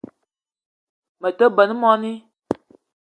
Me te benn moni